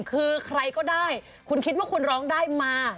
คือใครก็ได้คุณคิดว่าคุณร้องได้มา